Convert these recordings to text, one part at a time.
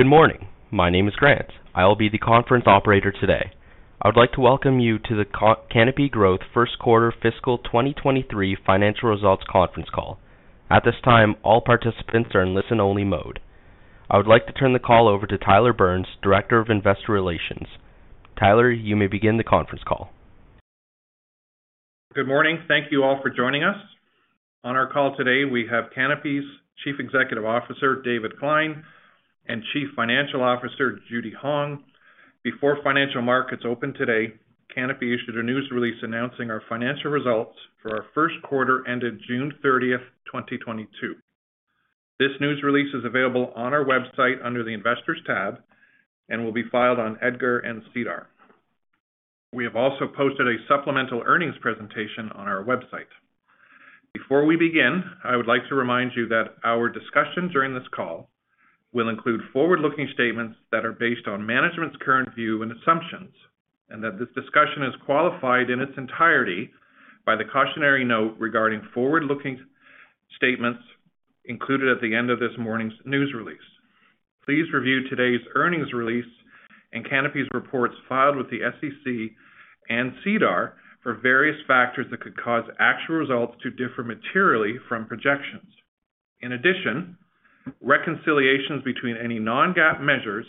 Good morning. My name is Grant. I'll be the conference operator today. I would like to welcome you to the Canopy Growth first quarter fiscal 2023 financial results conference call. At this time, all participants are in listen-only mode. I would like to turn the call over to Tyler Burns, Director of Investor Relations. Tyler, you may begin the conference call. Good morning. Thank you all for joining us. On our call today, we have Canopy's Chief Executive Officer, David Klein, and Chief Financial Officer, Judy Hong. Before financial markets opened today, Canopy issued a news release announcing our financial results for our first quarter ended June 30, 2022. This news release is available on our website under the Investors tab and will be filed on EDGAR and SEDAR. We have also posted a supplemental earnings presentation on our website. Before we begin, I would like to remind you that our discussion during this call will include forward-looking statements that are based on management's current view and assumptions, and that this discussion is qualified in its entirety by the cautionary note regarding forward-looking statements included at the end of this morning's news release. Please review today's earnings release and Canopy's reports filed with the SEC and SEDAR for various factors that could cause actual results to differ materially from projections. In addition, reconciliations between any non-GAAP measures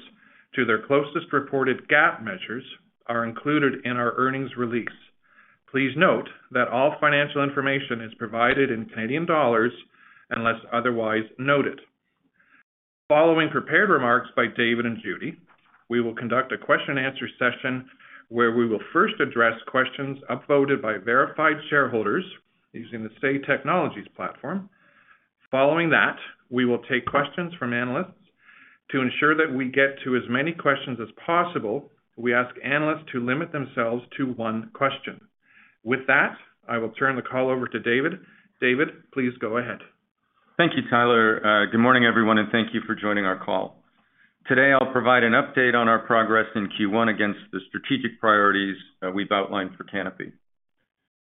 to their closest reported GAAP measures are included in our earnings release. Please note that all financial information is provided in Canadian dollars unless otherwise noted. Following prepared remarks by David and Judy, we will conduct a question-and-answer session where we will first address questions upvoted by verified shareholders using the Say Technologies platform. Following that, we will take questions from analysts. To ensure that we get to as many questions as possible, we ask analysts to limit themselves to one question. With that, I will turn the call over to David. David, please go ahead. Thank you, Tyler. Good morning, everyone, and thank you for joining our call. Today, I'll provide an update on our progress in Q1 against the strategic priorities that we've outlined for Canopy.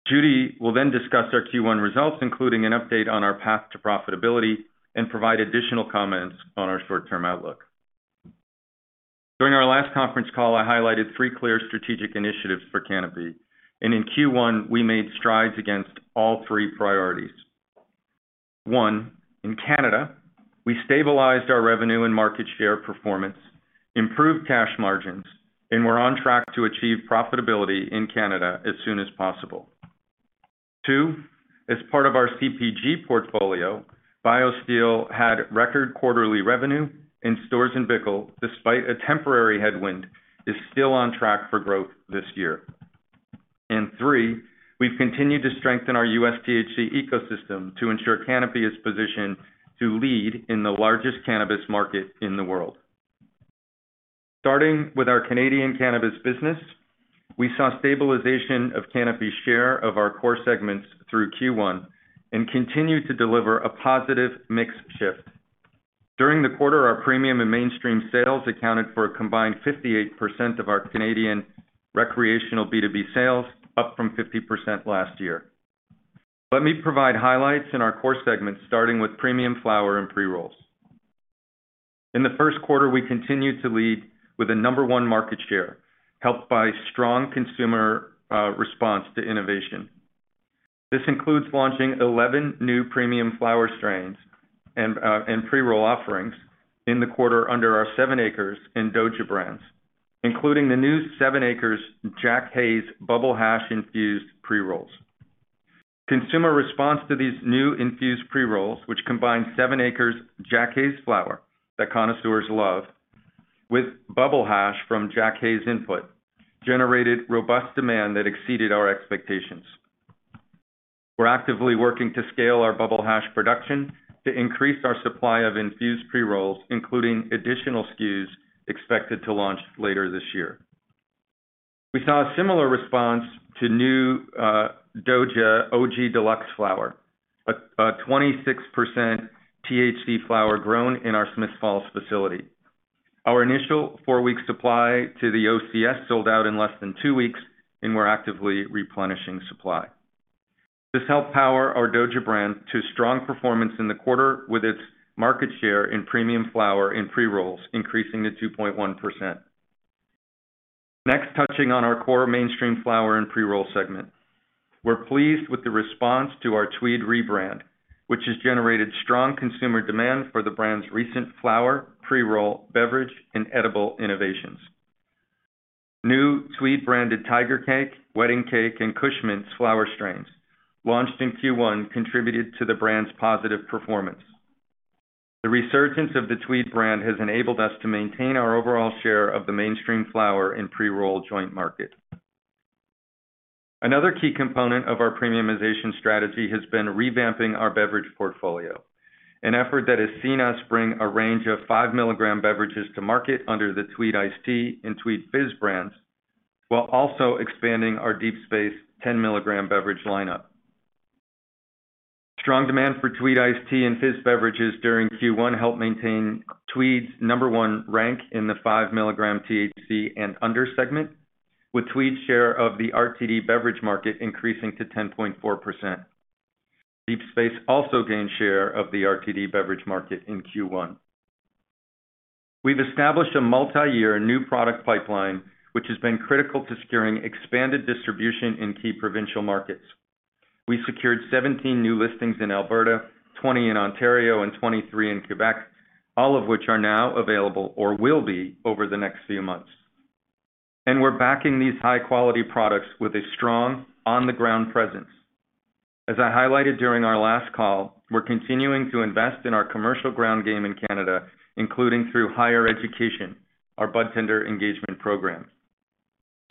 Judy will then discuss our Q1 results, including an update on our path to profitability and provide additional comments on our short-term outlook. During our last conference call, I highlighted three clear strategic initiatives for Canopy, and in Q1, we made strides against all three priorities. One, in Canada, we stabilized our revenue and market share performance, improved cash margins, and we're on track to achieve profitability in Canada as soon as possible. Two, as part of our CPG portfolio, BioSteel had record quarterly revenue in stores in B2C, despite a temporary headwind, is still on track for growth this year. Three, we've continued to strengthen our U.S. THC ecosystem to ensure Canopy is positioned to lead in the largest cannabis market in the world. Starting with our Canadian cannabis business, we saw stabilization of Canopy share of our core segments through Q1 and continued to deliver a positive mix shift. During the quarter, our premium and mainstream sales accounted for a combined 58% of our Canadian recreational B2B sales, up from 50% last year. Let me provide highlights in our core segments, starting with premium flower and pre-rolls. In the first quarter, we continued to lead with the number one market share, helped by strong consumer response to innovation. This includes launching 11 new premium flower strains and pre-roll offerings in the quarter under our 7ACRES and DOJA brands, including the new 7ACRES Jack Haze Bubble Hash infused pre-rolls. Consumer response to these new infused pre-rolls, which combine 7ACRES Jack Haze flower that connoisseurs love with Bubble Hash from Jack Haze input, generated robust demand that exceeded our expectations. We're actively working to scale our Bubble Hash production to increase our supply of infused pre-rolls, including additional SKUs expected to launch later this year. We saw a similar response to new DOJA OG Deluxe flower, a 26% THC flower grown in our Smiths Falls facility. Our initial four-week supply to the OCS sold out in less than two weeks, and we're actively replenishing supply. This helped power our DOJA brand to strong performance in the quarter with its market share in premium flower and pre-rolls increasing to 2.1%. Next, touching on our core mainstream flower and pre-roll segment. We're pleased with the response to our Tweed rebrand, which has generated strong consumer demand for the brand's recent flower, pre-roll, beverage, and edible innovations. New Tweed-branded Tiger Cake, Wedding Cake, and Kush Mints flower strains launched in Q1 contributed to the brand's positive performance. The resurgence of the Tweed brand has enabled us to maintain our overall share of the mainstream flower and pre-roll joint market. Another key component of our premiumization strategy has been revamping our beverage portfolio, an effort that has seen us bring a range of 5 mg beverages to market under the Tweed Iced Tea and Tweed Fizz brands, while also expanding our Deep Space 10 mg beverage lineup. Strong demand for Tweed Iced Tea and Fizz beverages during Q1 helped maintain Tweed's number one rank in the 5 mg THC and under segment, with Tweed's share of the RTD beverage market increasing to 10.4%. Deep Space also gained share of the RTD beverage market in Q1. We've established a multi-year new product pipeline, which has been critical to securing expanded distribution in key provincial markets. We secured 17 new listings in Alberta, 20 in Ontario, and 23 in Québec, all of which are now available or will be over the next few months. We're backing these high-quality products with a strong on-the-ground presence. As I highlighted during our last call, we're continuing to invest in our commercial ground game in Canada, including through High'er Education, our Budtender Engagement Program.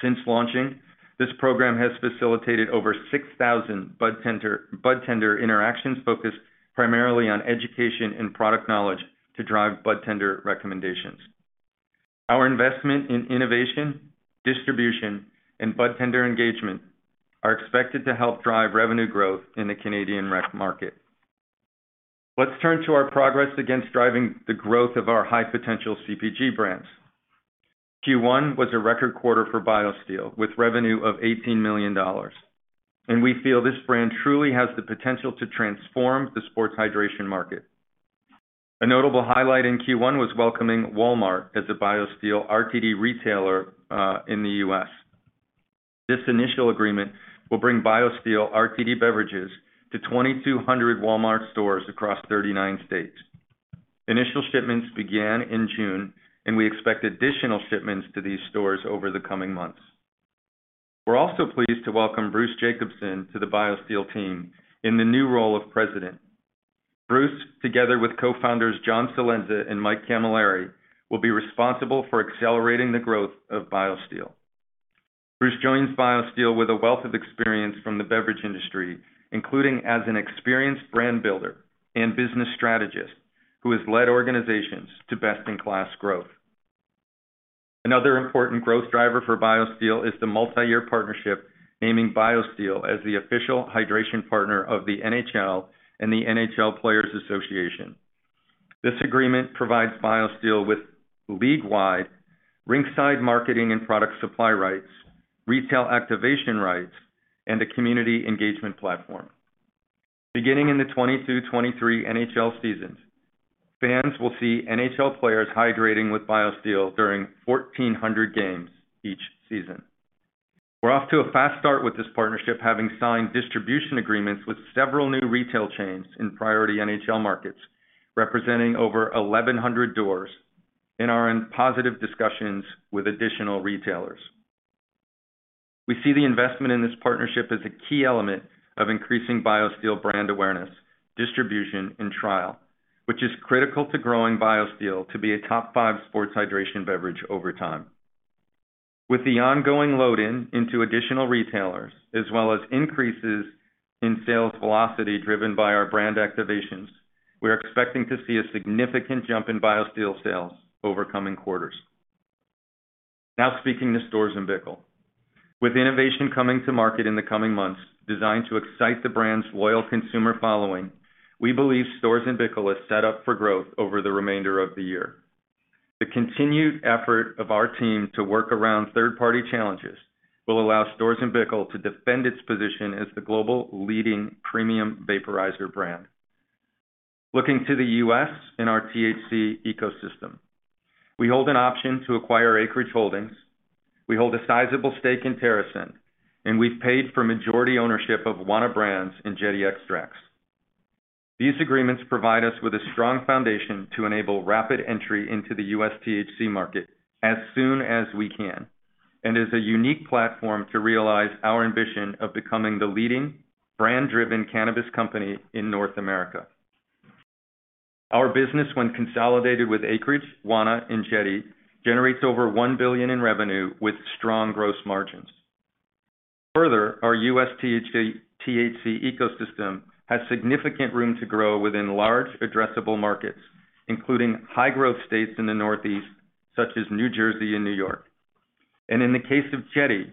Since launching, this program has facilitated over 6,000 budtender interactions focused primarily on education and product knowledge to drive budtender recommendations. Our investment in innovation, distribution, and budtender engagement are expected to help drive revenue growth in the Canadian rec market. Let's turn to our progress against driving the growth of our high-potential CPG brands. Q1 was a record quarter for BioSteel, with revenue of $18 million, and we feel this brand truly has the potential to transform the sports hydration market. A notable highlight in Q1 was welcoming Walmart as a BioSteel RTD retailer in the U.S. This initial agreement will bring BioSteel RTD beverages to 2,200 Walmart stores across 39 states. Initial shipments began in June, and we expect additional shipments to these stores over the coming months. We're also pleased to welcome Bruce Jacobson to the BioSteel team in the new role of President. Bruce, together with co-founders John Celenza and Mike Cammalleri, will be responsible for accelerating the growth of BioSteel. Bruce joins BioSteel with a wealth of experience from the beverage industry, including as an experienced brand builder and business strategist who has led organizations to best-in-class growth. Another important growth driver for BioSteel is the multi-year partnership naming BioSteel as the official hydration partner of the NHL and the NHL Players' Association. This agreement provides BioSteel with league-wide rinkside marketing and product supply rights, retail activation rights, and a community engagement platform. Beginning in the 2022-2023 NHL seasons, fans will see NHL players hydrating with BioSteel during 1,400 games each season. We're off to a fast start with this partnership, having signed distribution agreements with several new retail chains in priority NHL markets representing over 1,100 doors and are in positive discussions with additional retailers. We see the investment in this partnership as a key element of increasing BioSteel brand awareness, distribution, and trial, which is critical to growing BioSteel to be a top five sports hydration beverage over time. With the ongoing load-in into additional retailers, as well as increases in sales velocity driven by our brand activations, we are expecting to see a significant jump in BioSteel sales over coming quarters. Now speaking to Storz & Bickel. With innovation coming to market in the coming months, designed to excite the brand's loyal consumer following, we believe Storz & Bickel is set up for growth over the remainder of the year. The continued effort of our team to work around third-party challenges will allow Storz & Bickel to defend its position as the global leading premium vaporizer brand. Looking to the U.S. and our THC ecosystem. We hold an option to acquire Acreage Holdings, we hold a sizable stake in TerrAscend, and we've paid for majority ownership of Wana Brands and Jetty Extracts. These agreements provide us with a strong foundation to enable rapid entry into the U.S. THC market as soon as we can, and is a unique platform to realize our ambition of becoming the leading brand-driven cannabis company in North America. Our business, when consolidated with Acreage, Wana, and Jetty, generates over 1 billion in revenue with strong gross margins. Further, our U.S. THC ecosystem has significant room to grow within large addressable markets, including high-growth states in the Northeast, such as New Jersey and New York. In the case of Jetty,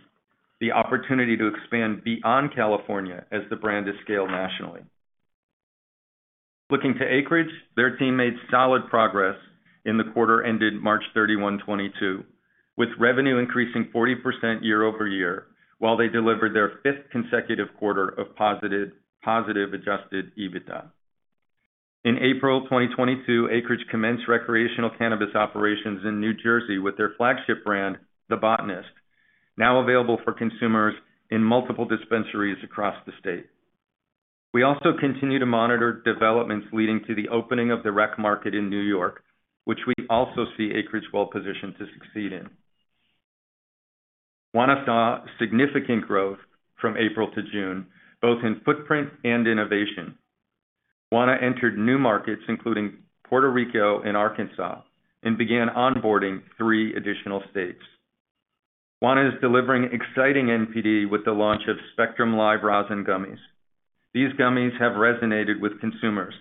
the opportunity to expand beyond California as the brand is scaled nationally. Looking to Acreage, their team made solid progress in the quarter ended March 31, 2022, with revenue increasing 40% year-over-year, while they delivered their fifth consecutive quarter of positive adjusted EBITDA. In April 2022, Acreage commenced recreational cannabis operations in New Jersey with their flagship brand, The Botanist, now available for consumers in multiple dispensaries across the state. We also continue to monitor developments leading to the opening of the rec market in New York, which we also see Acreage well-positioned to succeed in. Wana saw significant growth from April to June, both in footprint and innovation. Wana entered new markets, including Puerto Rico and Arkansas, and began onboarding three additional states. Wana is delivering exciting NPD with the launch of Spectrum Live Rosin gummies. These gummies have resonated with consumers,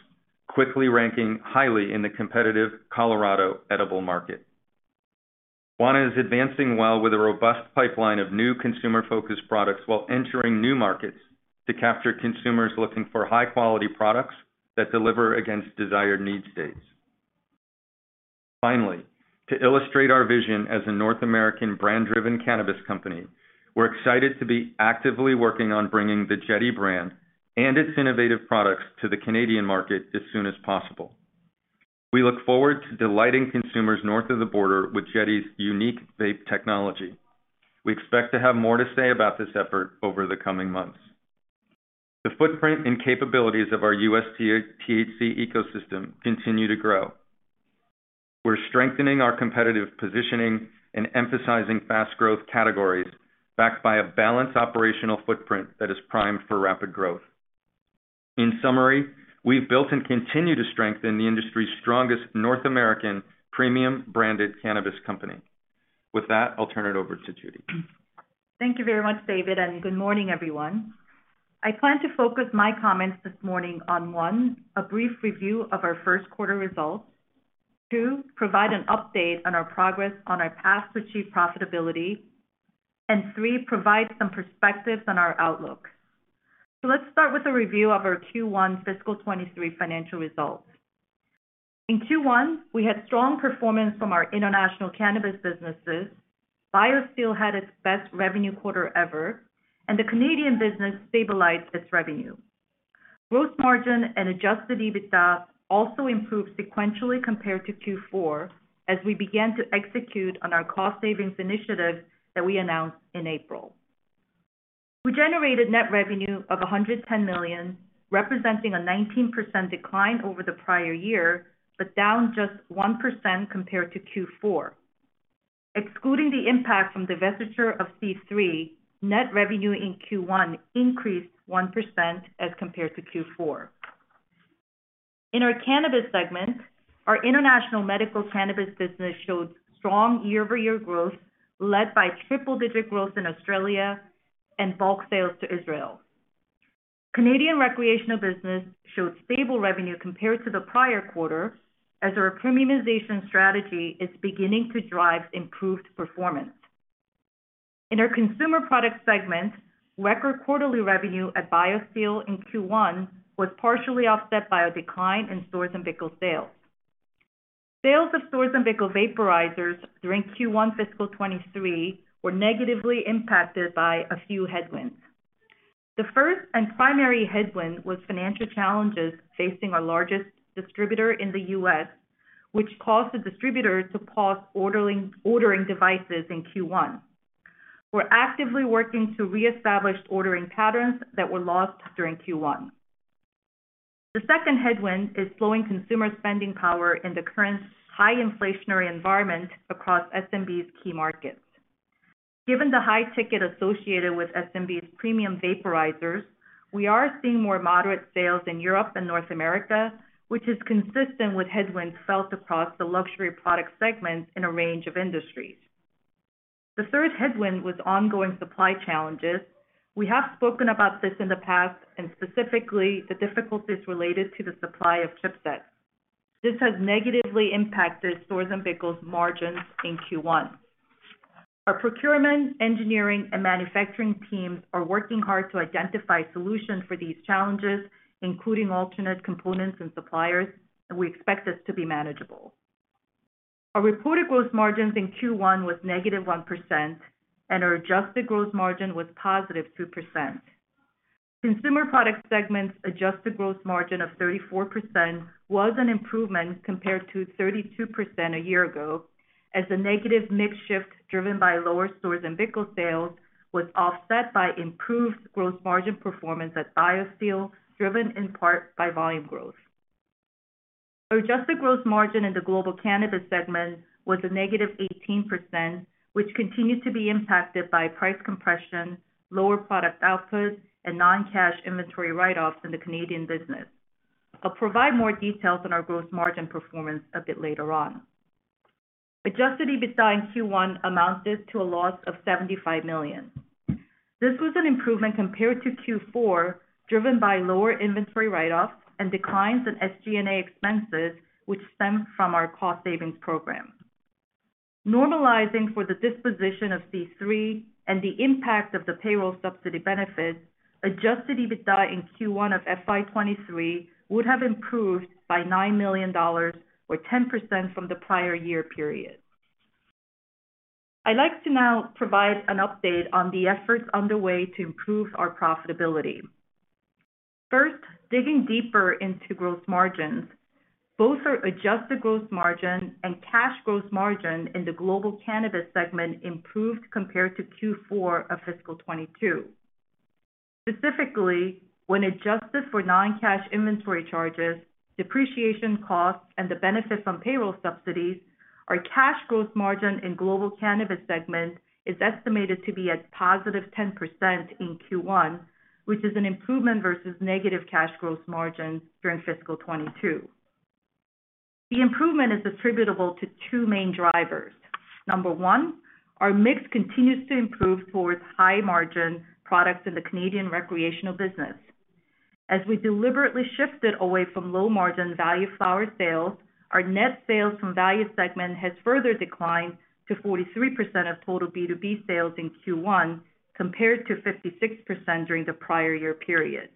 quickly ranking highly in the competitive Colorado edible market. Wana is advancing well with a robust pipeline of new consumer-focused products while entering new markets to capture consumers looking for high-quality products that deliver against desired need states. Finally, to illustrate our vision as a North American brand-driven cannabis company, we're excited to be actively working on bringing the Jetty brand and its innovative products to the Canadian market as soon as possible. We look forward to delighting consumers north of the border with Jetty's unique vape technology. We expect to have more to say about this effort over the coming months. The footprint and capabilities of our U.S. THC ecosystem continue to grow. We're strengthening our competitive positioning and emphasizing fast growth categories backed by a balanced operational footprint that is primed for rapid growth. In summary, we've built and continue to strengthen the industry's strongest North American premium branded cannabis company. With that, I'll turn it over to Judy. Thank you very much, David, and good morning, everyone. I plan to focus my comments this morning on, one, a brief review of our first quarter results. Two, provide an update on our progress on our path to achieve profitability. And three, provide some perspectives on our outlook. Let's start with a review of our Q1 fiscal 2023 financial results. In Q1, we had strong performance from our international cannabis businesses. BioSteel had its best revenue quarter ever, and the Canadian business stabilized its revenue. Gross margin and adjusted EBITDA also improved sequentially compared to Q4 as we began to execute on our cost savings initiative that we announced in April. We generated net revenue of 110 million, representing a 19% decline over the prior year, but down just 1% compared to Q4. Excluding the impact from the divestiture of C3, net revenue in Q1 increased 1% as compared to Q4. In our cannabis segment, our international medical cannabis business showed strong year-over-year growth, led by triple-digit growth in Australia and bulk sales to Israel. Canadian recreational business showed stable revenue compared to the prior quarter as our premiumization strategy is beginning to drive improved performance. In our consumer product segment, record quarterly revenue at BioSteel in Q1 was partially offset by a decline in Storz & Bickel sales. Sales of Storz & Bickel vaporizers during Q1 fiscal 2023 were negatively impacted by a few headwinds. The first and primary headwind was financial challenges facing our largest distributor in the U.S., which caused the distributor to pause ordering devices in Q1. We're actively working to reestablish ordering patterns that were lost during Q1. The second headwind is slowing consumer spending power in the current high inflationary environment across S&B's key markets. Given the high ticket associated with S&B's premium vaporizers, we are seeing more moderate sales in Europe and North America, which is consistent with headwinds felt across the luxury product segments in a range of industries. The third headwind was ongoing supply challenges. We have spoken about this in the past, and specifically the difficulties related to the supply of chipsets. This has negatively impacted Storz & Bickel's margins in Q1. Our procurement, engineering, and manufacturing teams are working hard to identify solutions for these challenges, including alternate components and suppliers, and we expect this to be manageable. Our reported gross margins in Q1 was negative 1%, and our adjusted gross margin was positive 2%. Consumer product segment's adjusted gross margin of 34% was an improvement compared to 32% a year ago, as the negative mix shift driven by lower Storz & Bickel sales was offset by improved gross margin performance at BioSteel, driven in part by volume growth. Our adjusted gross margin in the global cannabis segment was -18%, which continued to be impacted by price compression, lower product output, and non-cash inventory write-offs in the Canadian business. I'll provide more details on our gross margin performance a bit later on. Adjusted EBITDA in Q1 amounted to a loss of 75 million. This was an improvement compared to Q4, driven by lower inventory write-offs and declines in SG&A expenses, which stemmed from our cost savings program. Normalizing for the disposition of C3 and the impact of the payroll subsidy benefit, adjusted EBITDA in Q1 of FY 2023 would have improved by 9 million dollars or 10% from the prior year period. I'd like to now provide an update on the efforts underway to improve our profitability. First, digging deeper into gross margins, both our adjusted gross margin and cash gross margin in the global cannabis segment improved compared to Q4 of fiscal 2022. Specifically, when adjusted for non-cash inventory charges, depreciation costs, and the benefit from payroll subsidies, our cash gross margin in global cannabis segment is estimated to be at positive 10% in Q1, which is an improvement versus negative cash gross margins during fiscal 2022. The improvement is attributable to two main drivers. Number one, our mix continues to improve towards high-margin products in the Canadian recreational business. As we deliberately shifted away from low-margin value flower sales, our net sales from value segment has further declined to 43% of total B2B sales in Q1 compared to 56% during the prior year period.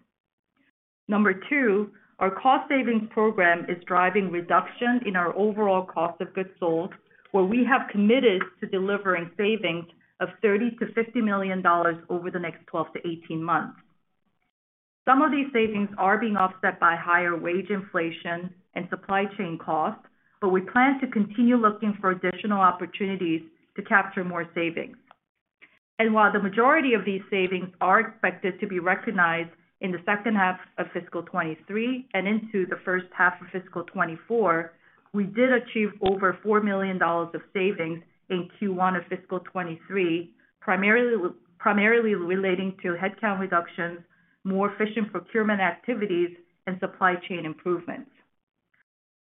Number two, our cost savings program is driving reduction in our overall cost of goods sold, where we have committed to delivering savings of 30 million-50 million dollars over the next 12-18 months. Some of these savings are being offset by higher wage inflation and supply chain costs, but we plan to continue looking for additional opportunities to capture more savings. While the majority of these savings are expected to be recognized in the second half of fiscal 2023 and into the first half of fiscal 2024, we did achieve over 4 million dollars of savings in Q1 of fiscal 2023, primarily relating to headcount reductions, more efficient procurement activities, and supply chain improvements.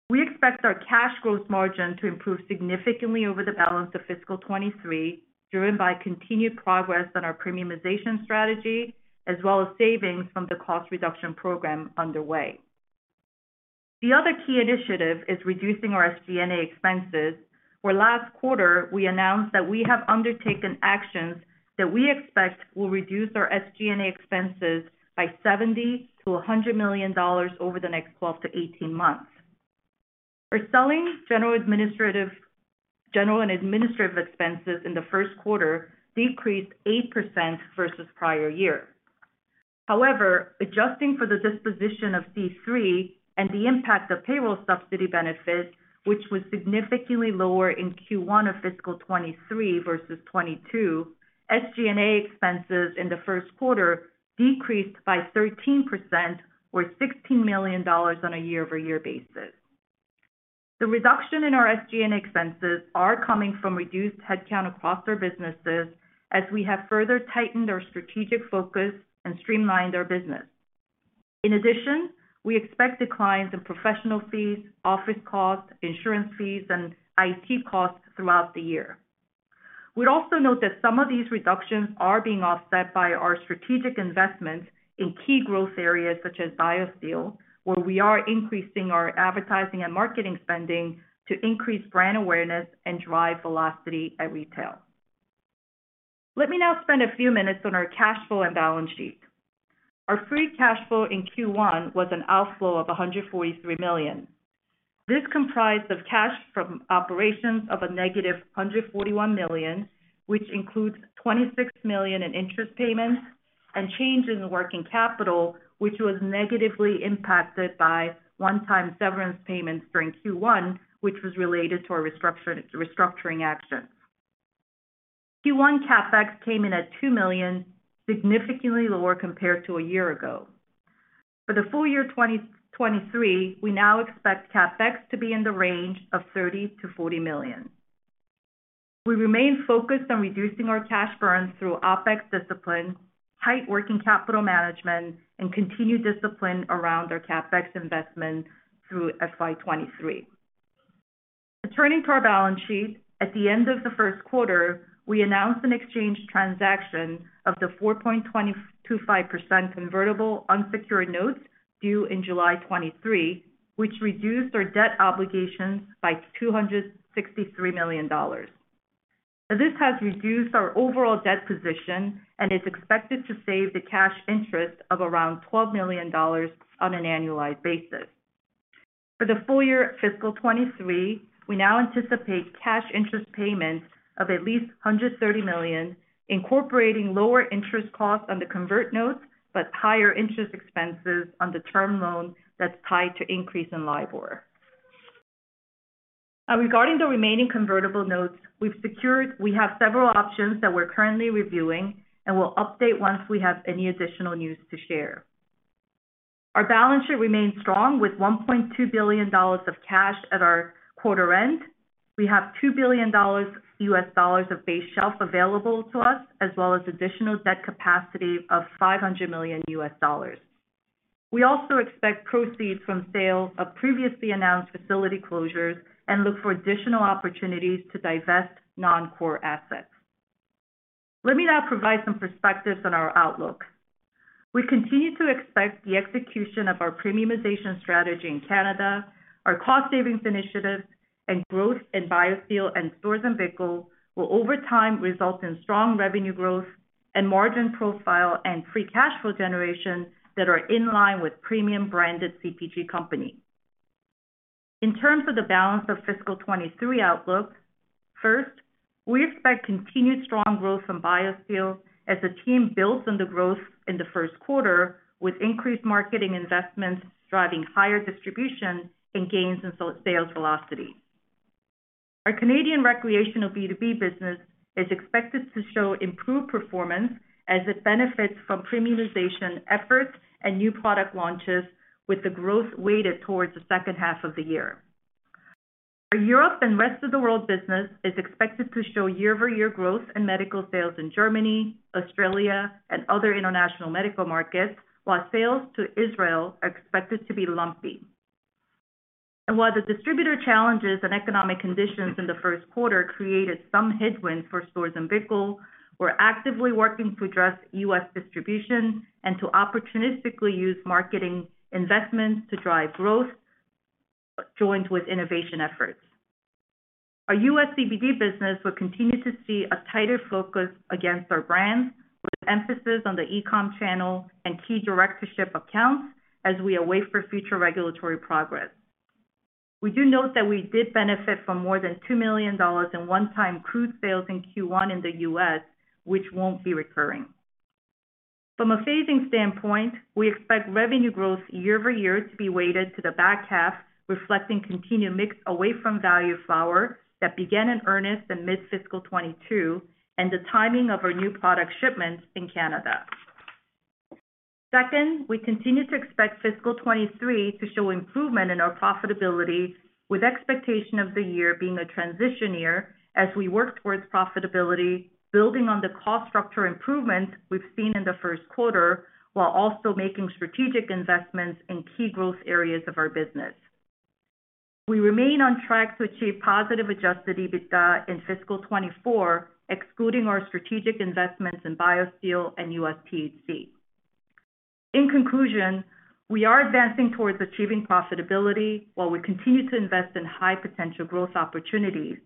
We expect our gross margin to improve significantly over the balance of fiscal 2023, driven by continued progress on our premiumization strategy as well as savings from the cost reduction program underway. The other key initiative is reducing our SG&A expenses, where last quarter, we announced that we have undertaken actions that we expect will reduce our SG&A expenses by 70 million-100 million dollars over the next 12-18 months. Our selling, general and administrative expenses in the first quarter decreased 8% versus prior year. However, adjusting for the disposition of C3 and the impact of payroll subsidy benefit, which was significantly lower in Q1 of fiscal 2023 versus 2022, SG&A expenses in the first quarter decreased by 13% or 16 million dollars on a year-over-year basis. The reduction in our SG&A expenses are coming from reduced headcount across our businesses as we have further tightened our strategic focus and streamlined our business. In addition, we expect declines in professional fees, office costs, insurance fees, and IT costs throughout the year. We'd also note that some of these reductions are being offset by our strategic investments in key growth areas such as BioSteel, where we are increasing our advertising and marketing spending to increase brand awareness and drive velocity at retail. Let me now spend a few minutes on our cash flow and balance sheet. Our free cash flow in Q1 was an outflow of 143 million. This comprised of cash from operations of a negative 141 million, which includes 26 million in interest payments and change in working capital, which was negatively impacted by one-time severance payments during Q1, which was related to our restructuring actions. Q1 CapEx came in at 2 million, significantly lower compared to a year ago. For the full year 2023, we now expect CapEx to be in the range of 30 million-40 million. We remain focused on reducing our cash burn through OpEx discipline, tight working capital management, and continued discipline around our CapEx investment through FY 2023. Turning to our balance sheet, at the end of the first quarter, we announced an exchange transaction of the 4.225% convertible unsecured notes due in July 2023, which reduced our debt obligations by $263 million. This has reduced our overall debt position and is expected to save the cash interest of around $12 million on an annualized basis. For the full year fiscal 2023, we now anticipate cash interest payments of at least $130 million, incorporating lower interest costs on the convert notes, but higher interest expenses on the term loan that's tied to increase in LIBOR. Regarding the remaining convertible notes we've secured, we have several options that we're currently reviewing and will update once we have any additional news to share. Our balance sheet remains strong with 1.2 billion dollars of cash at our quarter end. We have $2 billion U.S. dollars of base shelf available to us, as well as additional debt capacity of $500 million U.S. Dollars. We also expect proceeds from sales of previously announced facility closures and look for additional opportunities to divest non-core assets. Let me now provide some perspectives on our outlook. We continue to expect the execution of our premiumization strategy in Canada, our cost savings initiatives, and growth in BioSteel and Storz & Bickel will over time result in strong revenue growth and margin profile and free cash flow generation that are in line with premium branded CPG company. In terms of the balance of fiscal 2023 outlook, first, we expect continued strong growth from BioSteel as the team builds on the growth in the first quarter with increased marketing investments driving higher distribution and gains in sales velocity. Our Canadian recreational B2B business is expected to show improved performance as it benefits from premiumization efforts and new product launches with the growth weighted towards the second half of the year. Our Europe and Rest of the World business is expected to show year-over-year growth in medical sales in Germany, Australia, and other international medical markets, while sales to Israel are expected to be lumpy. While the distributor challenges and economic conditions in the first quarter created some headwind for Storz & Bickel, we're actively working to address U.S. distribution and to opportunistically use marketing investments to drive growth, joined with innovation efforts. Our U.S. CBD business will continue to see a tighter focus against our brands, with emphasis on the e-com channel and key direct-to-ship accounts as we await for future regulatory progress. We do note that we did benefit from more than $2 million in one-time crude sales in Q1 in the U.S., which won't be recurring. From a phasing standpoint, we expect revenue growth year-over-year to be weighted to the back half, reflecting continued mix away from value flower that began in earnest in mid-fiscal 2022, and the timing of our new product shipments in Canada. Second, we continue to expect fiscal 2023 to show improvement in our profitability, with expectation of the year being a transition year as we work towards profitability, building on the cost structure improvements we've seen in the first quarter, while also making strategic investments in key growth areas of our business. We remain on track to achieve positive adjusted EBITDA in fiscal 2024, excluding our strategic investments in BioSteel and U.S. THC. In conclusion, we are advancing towards achieving profitability while we continue to invest in high potential growth opportunities.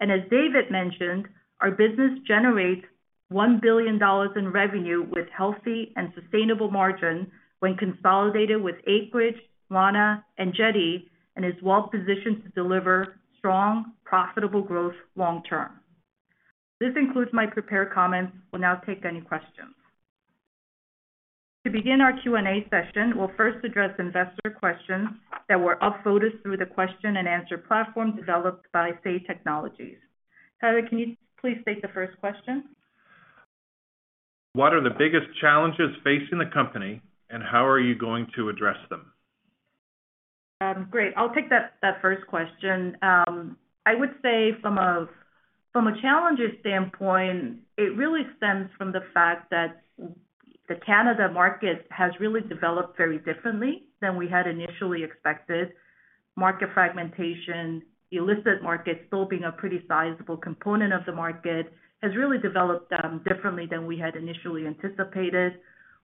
As David mentioned, our business generates 1 billion dollars in revenue with healthy and sustainable margin when consolidated with Acreage, Wana, and Jetty, and is well-positioned to deliver strong, profitable growth long term. This concludes my prepared comments. We'll now take any questions. To begin our Q&A session, we'll first address investor questions that were upvoted through the question-and-answer platform developed by Say Technologies. Tyler, can you please state the first question? What are the biggest challenges facing the company, and how are you going to address them? Great. I'll take that first question. I would say from a challenges standpoint, it really stems from the fact that the Canadian market has really developed very differently than we had initially expected. Market fragmentation, illicit market still being a pretty sizable component of the market, has really developed differently than we had initially anticipated.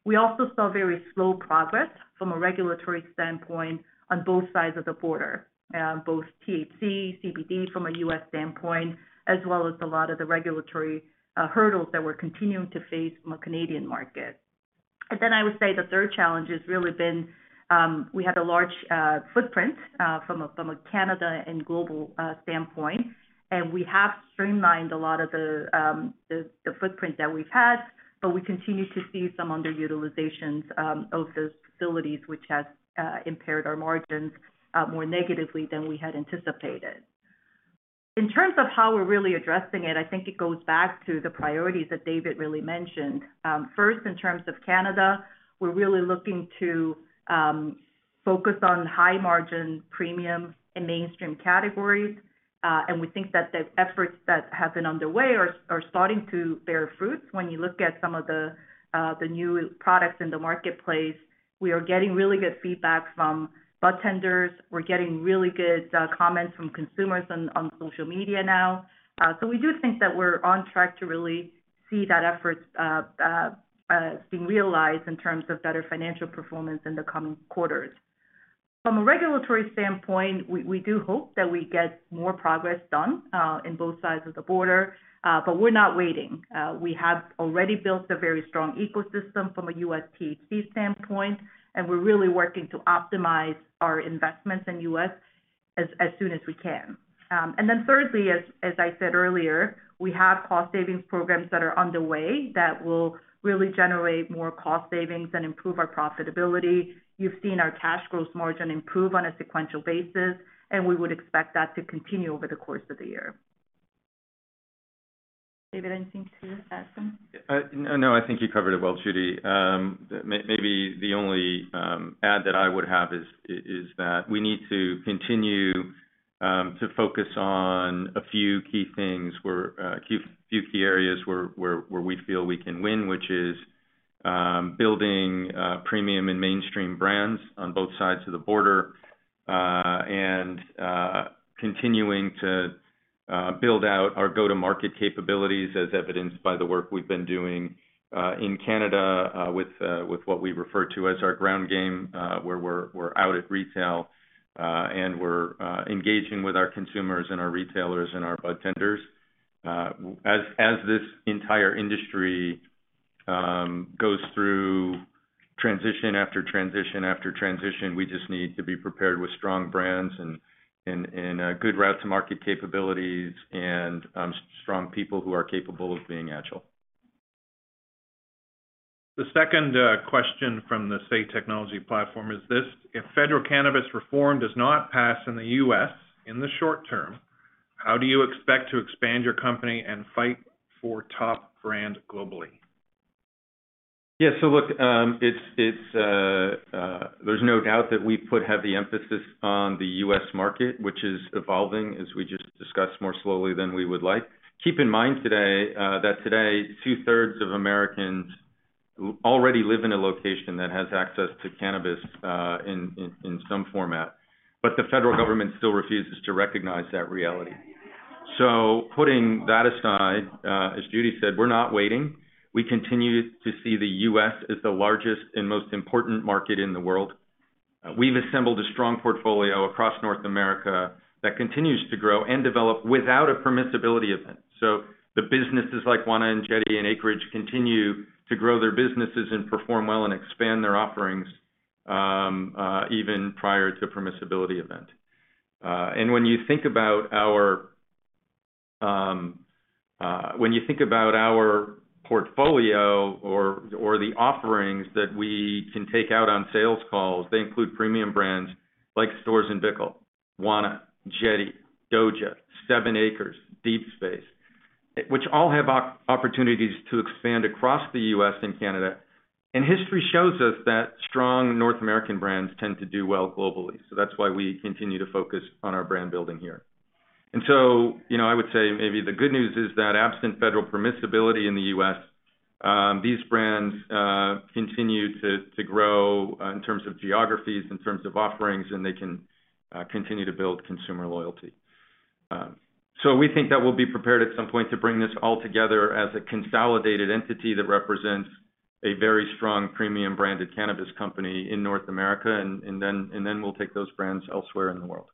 We also saw very slow progress from a regulatory standpoint on both sides of the border, both THC, CBD from a U.S. standpoint, as well as a lot of the regulatory hurdles that we're continuing to face from a Canadian market. I would say the third challenge has really been, we have a large footprint from a Canada and global standpoint, and we have streamlined a lot of the footprint that we've had, but we continue to see some underutilizations of those facilities which has impaired our margins more negatively than we had anticipated. In terms of how we're really addressing it, I think it goes back to the priorities that David really mentioned. First, in terms of Canada, we're really looking to focus on high-margin premium and mainstream categories, and we think that the efforts that have been underway are starting to bear fruit. When you look at some of the new products in the marketplace, we are getting really good feedback from budtenders. We're getting really good comments from consumers on social media now. We do think that we're on track to really see those efforts being realized in terms of better financial performance in the coming quarters. From a regulatory standpoint, we do hope that we get more progress done in both sides of the border, but we're not waiting. We have already built a very strong ecosystem from a U.S. THC standpoint, and we're really working to optimize our investments in the U.S. as soon as we can. Thirdly, as I said earlier, we have cost savings programs that are underway that will really generate more cost savings and improve our profitability. You've seen our gross margin improve on a sequential basis, and we would expect that to continue over the course of the year. David, anything to add on? No, I think you covered it well, Judy. Maybe the only add that I would have is that we need to continue to focus on a few key things. We're a few key areas where we feel we can win, which is building premium and mainstream brands on both sides of the border and continuing to build out our go-to-market capabilities as evidenced by the work we've been doing in Canada with what we refer to as our ground game, where we're out at retail and we're engaging with our consumers and our retailers and our budtenders. As this entire industry goes through transition after transition after transition, we just need to be prepared with strong brands and good route-to-market capabilities and strong people who are capable of being agile. The second question from the Say Technologies platform is this: If federal cannabis reform does not pass in the U.S. in the short term, how do you expect to expand your company and fight for top brand globally? Yeah. Look, it's no doubt that we put heavy emphasis on the U.S. market, which is evolving, as we just discussed, more slowly than we would like. Keep in mind today that two-thirds of Americans already live in a location that has access to cannabis, in some format, but the federal government still refuses to recognize that reality. Putting that aside, as Judy said, we're not waiting. We continue to see the U.S. as the largest and most important market in the world. We've assembled a strong portfolio across North America that continues to grow and develop without a permissibility event. The businesses like Wana and Jetty and Acreage continue to grow their businesses and perform well and expand their offerings, even prior to a permissibility event. When you think about our portfolio or the offerings that we can take out on sales calls, they include premium brands like Storz & Bickel, Wana, Jetty, Doja, 7ACRES, Deep Space, which all have opportunities to expand across the U.S. and Canada. History shows us that strong North American brands tend to do well globally. That's why we continue to focus on our brand building here. You know, I would say maybe the good news is that absent federal permissibility in the U.S., these brands continue to grow in terms of geographies, in terms of offerings, and they can continue to build consumer loyalty. We think that we'll be prepared at some point to bring this all together as a consolidated entity that represents a very strong premium branded cannabis company in North America, and then we'll take those brands elsewhere in the world.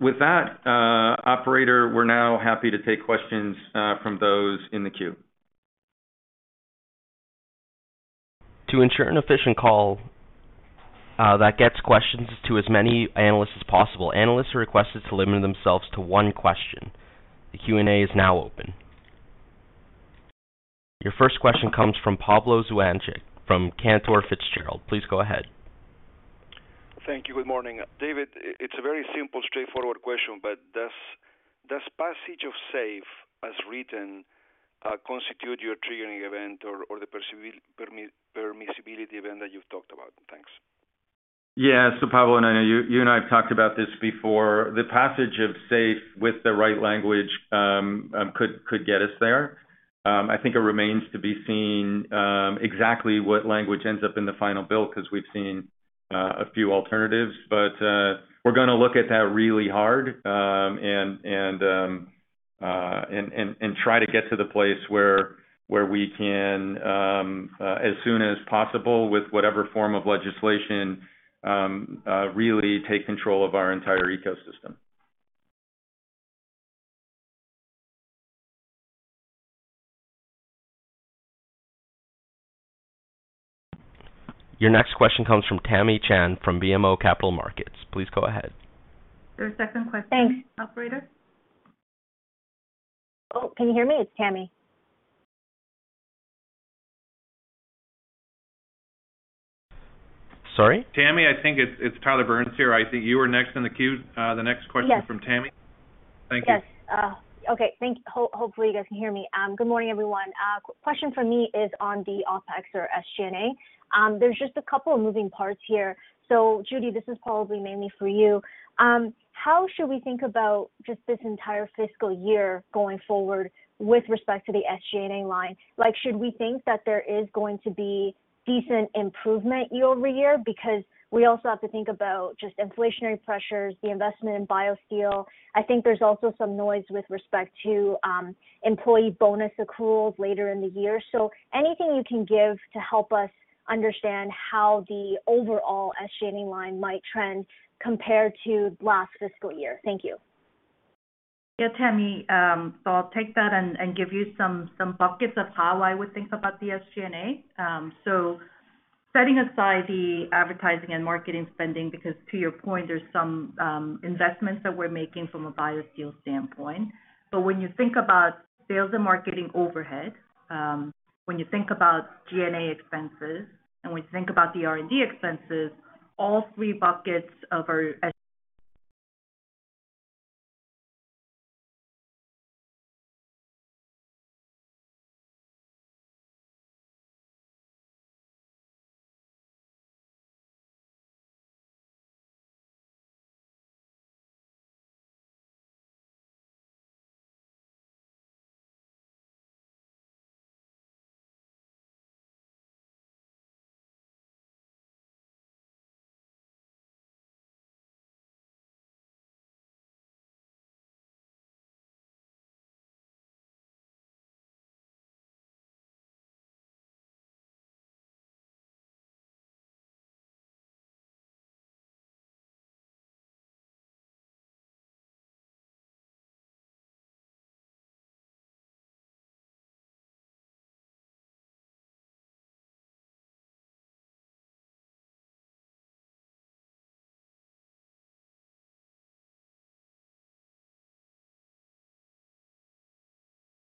With that, operator, we're now happy to take questions from those in the queue. To ensure an efficient call that gets questions to as many analysts as possible, analysts are requested to limit themselves to one question. The Q&A is now open. Your first question comes from Pablo Zuanic from Cantor Fitzgerald. Please go ahead. Thank you. Good morning. David, it's a very simple, straightforward question, but does passage of SAFE as written constitute your triggering event or the permissibility event that you've talked about? Thanks. Yeah. Pablo, and I know you and I have talked about this before. The passage of SAFE with the right language could get us there. I think it remains to be seen exactly what language ends up in the final bill, because we've seen a few alternatives. We're gonna look at that really hard, and try to get to the place where we can as soon as possible with whatever form of legislation really take control of our entire ecosystem. Your next question comes from Tamy Chen from BMO Capital Markets. Please go ahead. Your second question. Thanks. Operator. Oh, can you hear me? It's Tamy. Sorry. Tamy, I think it's Tyler Burns here. I see you are next in the queue. The next question. Yes. From Tamy. Thank you. Hopefully you guys can hear me. Good morning, everyone. Question from me is on the OpEx or SG&A. There's just a couple of moving parts here. Judy, this is probably mainly for you. How should we think about just this entire fiscal year going forward with respect to the SG&A line? Like, should we think that there is going to be decent improvement year-over-year? Because we also have to think about just inflationary pressures, the investment in BioSteel. I think there's also some noise with respect to employee bonus accruals later in the year. Anything you can give to help us understand how the overall SG&A line might trend compared to last fiscal year. Thank you. Yeah, Tamy. I'll take that and give you some buckets of how I would think about the SG&A. Setting aside the advertising and marketing spending, because to your point, there's some investments that we're making from a BioSteel standpoint. When you think about sales and marketing overhead, when you think about G&A expenses, and we think about the R&D expenses, all three buckets of our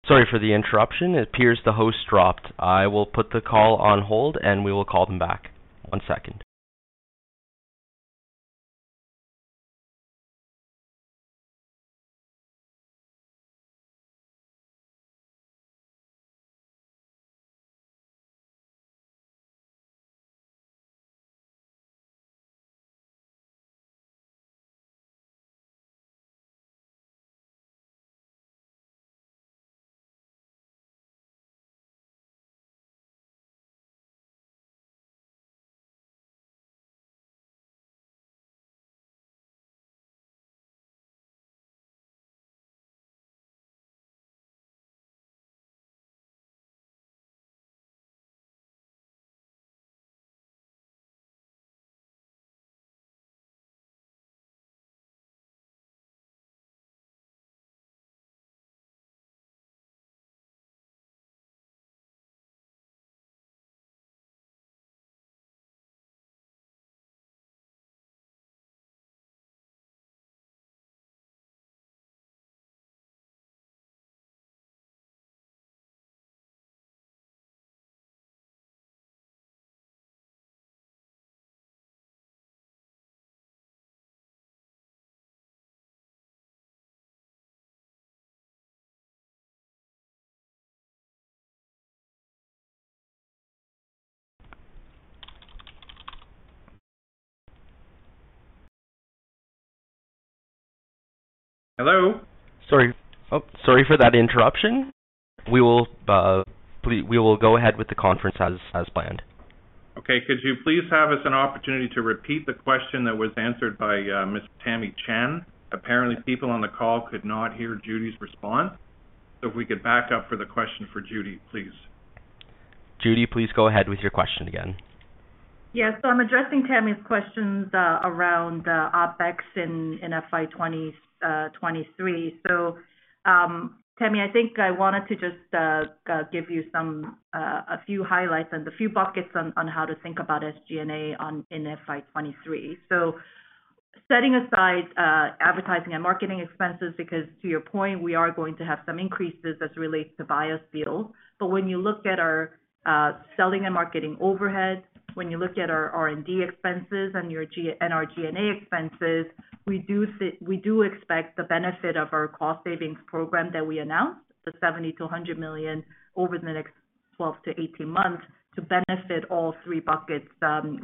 Sorry for the interruption. It appears the host dropped. I will put the call on hold, and we will call them back. One second. Hello? Sorry. Oh, sorry for that interruption. We will go ahead with the conference as planned. Okay. Could you please give us an opportunity to repeat the question that was answered by Ms. Tamy Chen? Apparently, people on the call could not hear Judy's response. If we could back up to the question for Judy, please. Judy, please go ahead with your question again. Yes. I'm addressing Tamy's questions around OpEx in FY 2023. Tammy, I think I wanted to just give you a few highlights and a few buckets on how to think about SG&A in FY 2023. Setting aside advertising and marketing expenses, because to your point, we are going to have some increases as it relates to BioSteel. When you look at our selling and marketing overhead, when you look at our R&D expenses and our G&A expenses, we do expect the benefit of our cost savings program that we announced, 70 million-100 million over the next 12-18 months to benefit all three buckets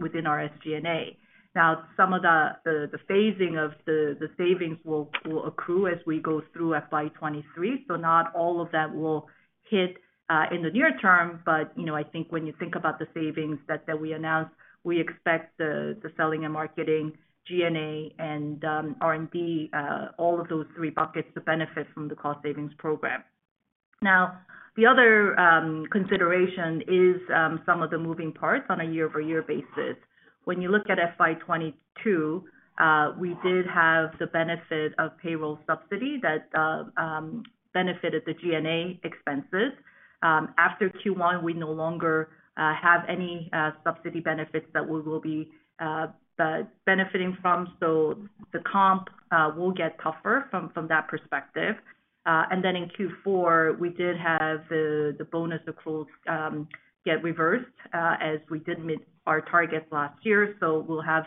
within our SG&A. Now, some of the phasing of the savings will accrue as we go through FY 2023, so not all of that will hit in the near term. You know, I think when you think about the savings that we announced, we expect the selling and marketing, G&A and R&D all of those three buckets to benefit from the cost savings program. Now, the other consideration is some of the moving parts on a year-over-year basis. When you look at FY 2022, we did have the benefit of payroll subsidy that benefited the G&A expenses. After Q1, we no longer have any subsidy benefits that we will be benefiting from, so the comp will get tougher from that perspective. In Q4, we did have the bonus accruals get reversed, as we did meet our targets last year. We'll have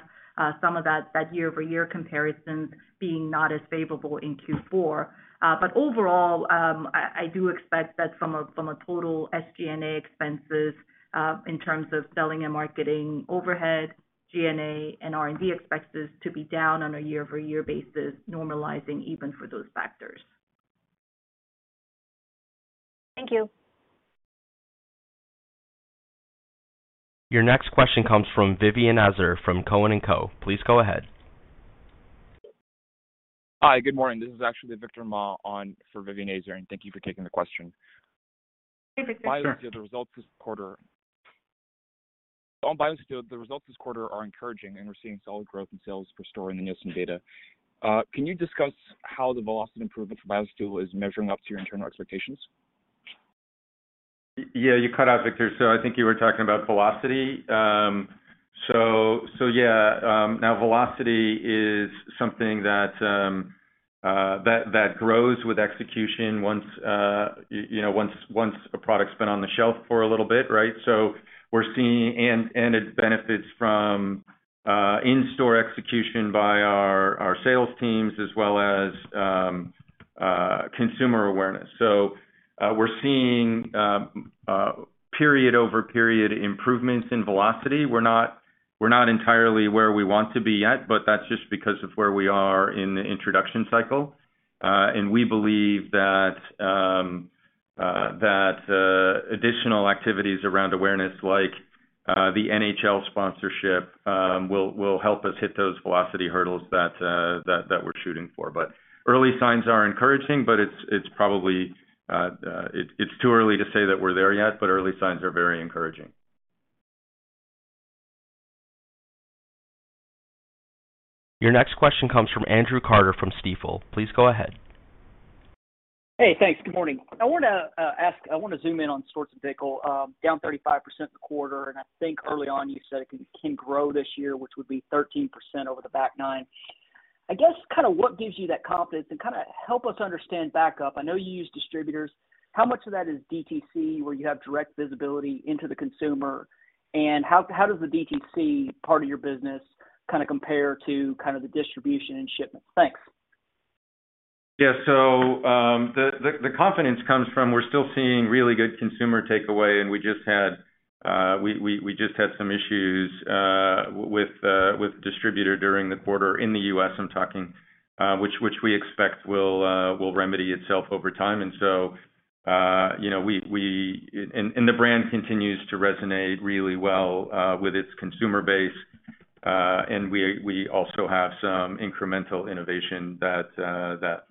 some of that year-over-year comparison being not as favorable in Q4. Overall, I do expect that from a total SG&A expenses, in terms of selling and marketing overhead, G&A and R&D expenses to be down on a year-over-year basis, normalizing even for those factors. Thank you. Your next question comes from Vivien Azer from Cowen and Company. Please go ahead. Hi. Good morning. This is actually Victor Ma on for Vivien Azer, and thank you for taking the question. Hey, Victor. BioSteel, the results this quarter are encouraging, and we're seeing solid growth in sales forecast and the Nielsen data. Can you discuss how the velocity improvement for BioSteel is measuring up to your internal expectations? Yeah, you cut out, Victor. I think you were talking about velocity. Velocity is something that grows with execution once, you know, a product's been on the shelf for a little bit, right? We're seeing and it benefits from in-store execution by our sales teams as well as consumer awareness. We're seeing period-over-period improvements in velocity. We're not entirely where we want to be yet, but that's just because of where we are in the introduction cycle. We believe that additional activities around awareness, like the NHL sponsorship, will help us hit those velocity hurdles that we're shooting for. Early signs are encouraging, but it's probably too early to say that we're there yet, but early signs are very encouraging. Your next question comes from Andrew Carter from Stifel. Please go ahead. Hey, thanks. Good morning. I wanna ask. I wanna zoom in on Storz & Bickel down 35% this quarter. I think early on you said it can grow this year, which would be 13% over the back half. I guess kind of what gives you that confidence and kind of help us understand back it up. I know you use distributors. How much of that is DTC where you have direct visibility into the consumer? And how does the DTC part of your business kind of compare to kind of the distribution and shipments? Thanks. Yeah. The confidence comes from we're still seeing really good consumer takeaway, and we just had some issues with distributor during the quarter in the U.S., which we expect will remedy itself over time. You know, the brand continues to resonate really well with its consumer base. We also have some incremental innovation that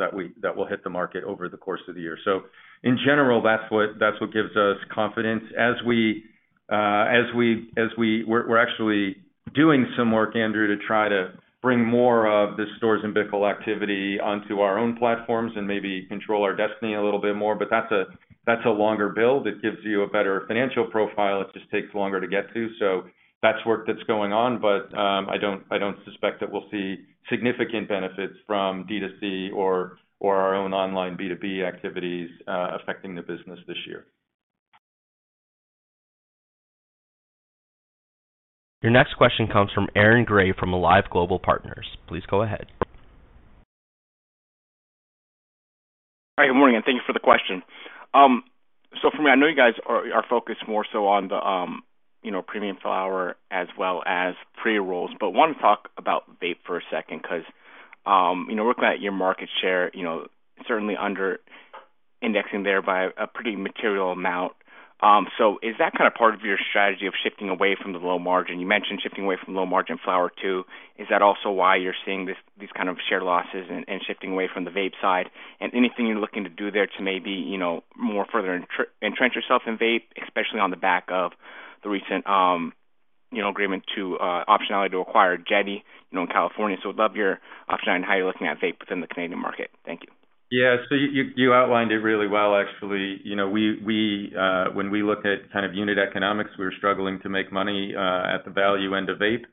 will hit the market over the course of the year. In general, that's what gives us confidence. We're actually doing some work, Andrew, to try to bring more of the stores' e-com activity onto our own platforms and maybe control our destiny a little bit more. That's a longer build. It gives you a better financial profile. It just takes longer to get to. That's work that's going on. I don't suspect that we'll see significant benefits from DTC or our own online B2B activities affecting the business this year. Your next question comes from Aaron Grey of Alliance Global Partners. Please go ahead. Hi, good morning, and thank you for the question. For me, I know you guys are focused more so on the you know, premium flower as well as pre-rolls, but wanna talk about vape for a second because you know, looking at your market share, you know, certainly under indexing there by a pretty material amount. Is that kind of part of your strategy of shifting away from the low margin? You mentioned shifting away from low-margin flower too. Is that also why you're seeing these kind of share losses and shifting away from the vape side? Anything you're looking to do there to maybe you know, more further entrench yourself in vape, especially on the back of the recent you know, agreement to optionality to acquire Jetty you know, in California. I'd love your opinion on how you're looking at vape within the Canadian market. Thank you. Yeah. You outlined it really well actually. You know, when we look at kind of unit economics, we're struggling to make money at the value end of vape.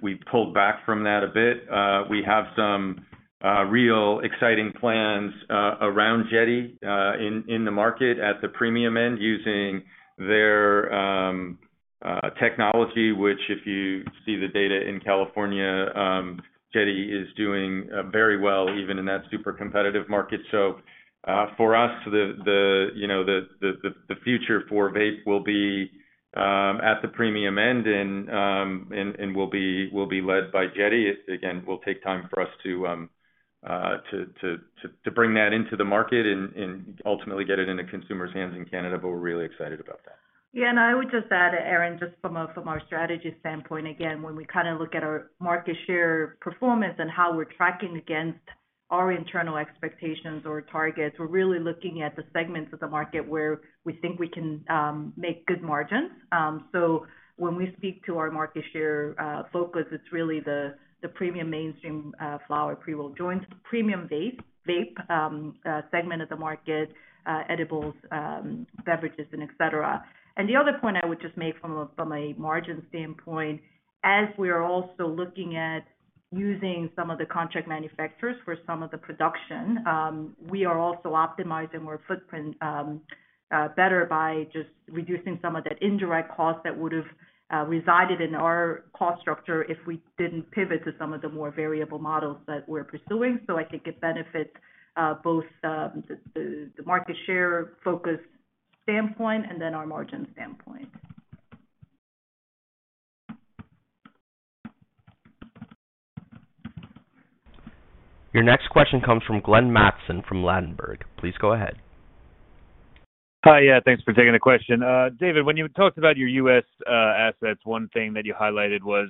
We've pulled back from that a bit. We have some real exciting plans around Jetty in the market at the premium end using their technology, which if you see the data in California, Jetty is doing very well even in that super competitive market. For us, the future for vape will be at the premium end and will be led by Jetty. Again, will take time for us to bring that into the market and ultimately get it into consumers' hands in Canada, but we're really excited about that. Yeah, I would just add, Aaron, just from our strategy standpoint, again, when we kind of look at our market share performance and how we're tracking against our internal expectations or targets, we're really looking at the segments of the market where we think we can make good margins. So when we speak to our market share focus, it's really the premium mainstream flower pre-roll joints, premium vape segment of the market, edibles, beverages and et cetera. The other point I would just make from a margin standpoint, as we are also looking at using some of the contract manufacturers for some of the production, we are also optimizing our footprint better by just reducing some of that indirect costs that would've resided in our cost structure if we didn't pivot to some of the more variable models that we're pursuing. I think it benefits both the market share focus standpoint and then our margin standpoint. Your next question comes from Glenn Mattson from Ladenburg Thalmann. Please go ahead. Hi. Yeah, thanks for taking the question. David, when you talked about your U.S. assets, one thing that you highlighted was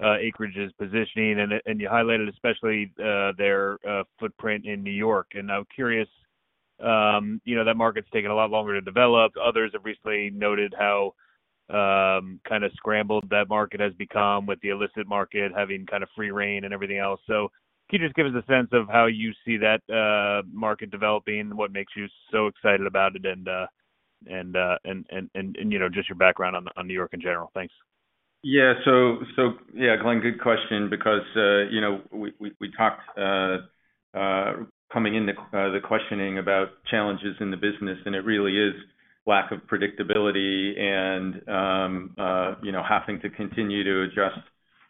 Acreage's positioning, and you highlighted especially their footprint in New York. I'm curious, you know, that market's taken a lot longer to develop. Others have recently noted how kind of scrambled that market has become with the illicit market having kind of free rein and everything else. Can you just give us a sense of how you see that market developing? What makes you so excited about it? You know, just your background on New York in general. Thanks. Yeah. Glenn, good question because, you know, we talked coming into the questioning about challenges in the business, and it really is lack of predictability and, you know, having to continue to adjust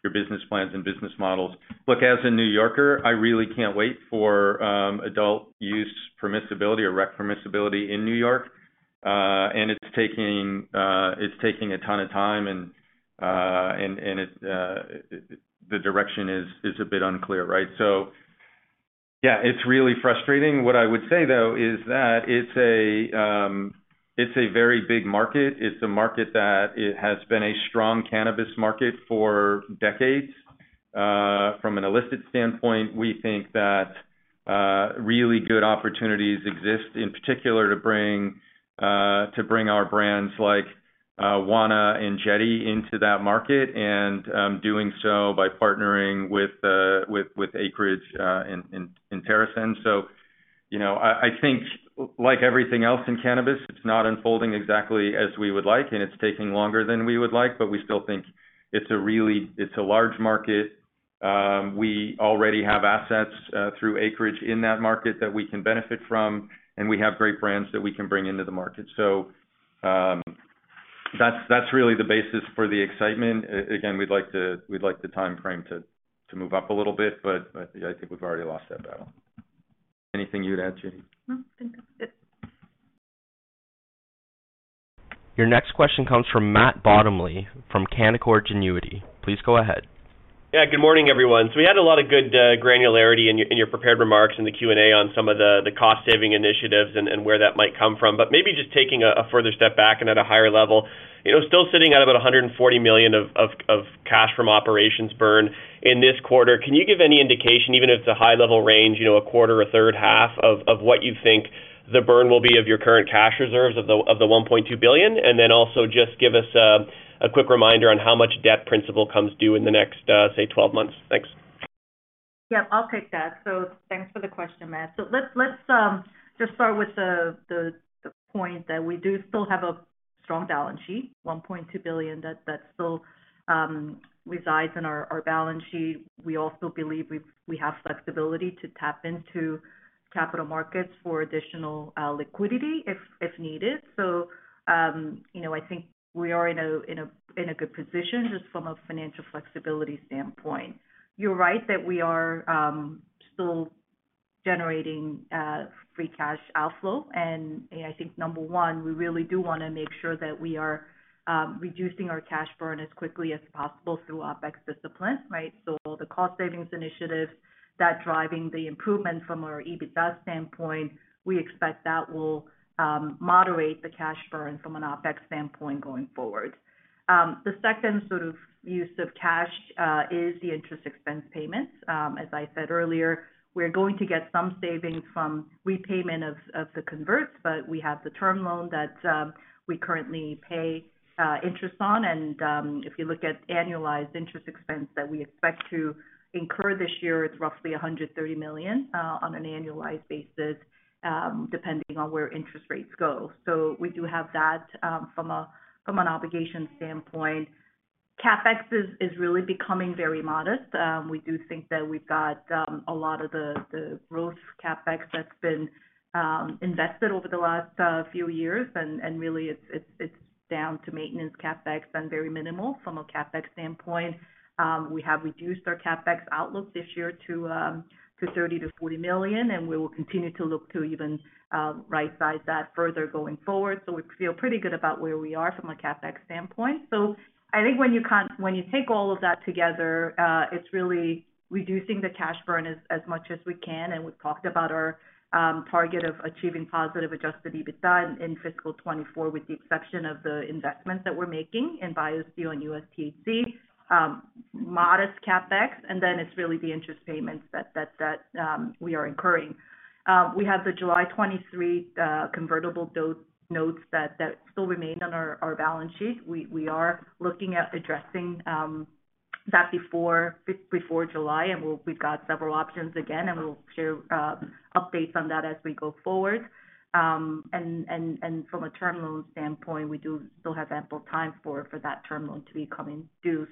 your business plans and business models. Look, as a New Yorker, I really can't wait for adult use permissibility or rec permissibility in New York. And it's taking a ton of time and it, the direction is a bit unclear, right? Yeah, it's really frustrating. What I would say though is that it's a very big market. It's a market that it has been a strong cannabis market for decades. From an illicit standpoint, we think that really good opportunities exist in particular to bring our brands like Wana and Jetty into that market, and doing so by partnering with Acreage and TerrAscend. You know, I think like everything else in cannabis, it's not unfolding exactly as we would like, and it's taking longer than we would like, but we still think it's a really large market. We already have assets through Acreage in that market that we can benefit from, and we have great brands that we can bring into the market. That's really the basis for the excitement. Again, we'd like the timeframe to move up a little bit, but I think we've already lost that battle. Anything you'd add, Judy? No. I think that's it. Your next question comes from Matt Bottomley from Canaccord Genuity. Please go ahead. Yeah. Good morning, everyone. We had a lot of good granularity in your prepared remarks in the Q&A on some of the cost saving initiatives and where that might come from. Maybe just taking a further step back and at a higher level, you know, still sitting at about 140 million of cash from operations burn in this quarter. Can you give any indication, even if it's a high level range, you know, a quarter, a third, half of what you think the burn will be of your current cash reserves of the 1.2 billion? And then also just give us a quick reminder on how much debt principal comes due in the next, say, 12 months. Thanks. Yeah, I'll take that. Thanks for the question, Matt. Let's just start with the point that we do still have a strong balance sheet, 1.2 billion that still resides in our balance sheet. We also believe we have flexibility to tap into capital markets for additional liquidity if needed. You know, I think we are in a good position just from a financial flexibility standpoint. You're right that we are still generating free cash outflow. I think number one, we really do wanna make sure that we are reducing our cash burn as quickly as possible through OpEx discipline, right? The cost savings initiative, that driving the improvement from our EBITDA standpoint, we expect that will moderate the cash burn from an OpEx standpoint going forward. The second sort of use of cash is the interest expense payments. As I said earlier, we're going to get some savings from repayment of the converts, but we have the term loan that we currently pay interest on. If you look at annualized interest expense that we expect to incur this year, it's roughly 130 million on an annualized basis, depending on where interest rates go. We do have that from an obligation standpoint. CapEx is really becoming very modest. We do think that we've got a lot of the growth CapEx that's been invested over the last few years, and really it's down to maintenance CapEx and very minimal from a CapEx standpoint. We have reduced our CapEx outlook this year to 30 million-40 million, and we will continue to look to even rightsize that further going forward. We feel pretty good about where we are from a CapEx standpoint. I think when you take all of that together, it's really reducing the cash burn as much as we can. We've talked about our target of achieving positive adjusted EBITDA in fiscal 2024, with the exception of the investments that we're making in BioSteel and U.S. THC, modest CapEx, and then it's really the interest payments that we are incurring. We have the July 2023 convertible notes that still remain on our balance sheet. We are looking at addressing that before July, and we've got several options again, and we'll share updates on that as we go forward. From a term loan standpoint, we do still have ample time for that term loan to be coming due.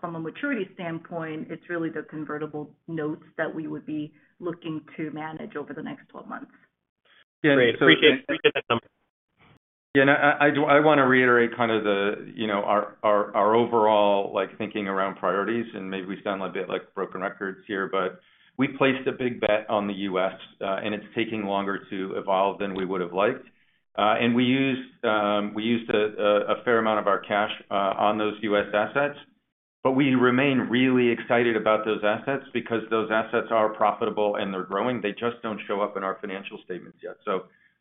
From a maturity standpoint, it's really the convertible notes that we would be looking to manage over the next 12 months. Great. Appreciate. Yeah. I do wanna reiterate kind of the, you know, our overall, like, thinking around priorities, and maybe we sound a bit like broken records here. We placed a big bet on the U.S., and it's taking longer to evolve than we would've liked. We used a fair amount of our cash on those U.S. assets. We remain really excited about those assets because those assets are profitable and they're growing. They just don't show up in our financial statements yet.